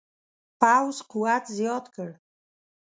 پوځ قوت زیات کړ.